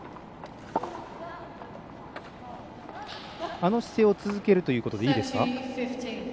あの姿勢を続けるということでいいですか？